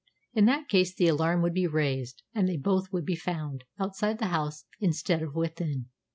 In that case the alarm would be raised, and they would both be found outside the house, instead of within.